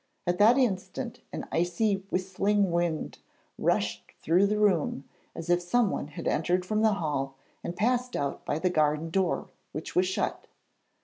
At that instant an icy, whistling wind rushed through the room, as if someone had entered from the hall and passed out by the garden door, which was shut.